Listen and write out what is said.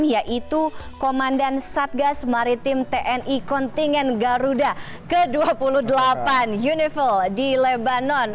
yaitu komandan satgas maritim tni kontingen garuda ke dua puluh delapan univer di lebanon